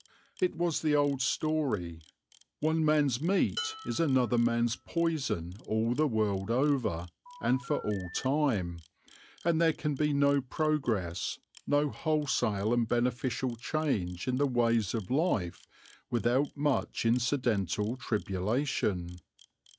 It was the old story. One man's meat is another man's poison all the world over and for all time; and there can be no progress, no wholesale and beneficial change in the ways of life, without much incidental tribulation.